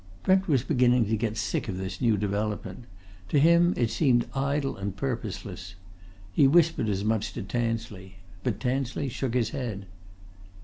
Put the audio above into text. Brent was beginning to get sick of this new development: to him it seemed idle and purposeless. He whispered as much to Tansley. But Tansley shook his head.